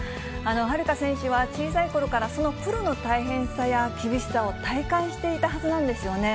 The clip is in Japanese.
遥加選手は、小さいころからそのプロの大変さや厳しさを体感していたはずなんですよね。